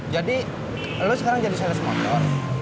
jadi lo sekarang jadi sales motor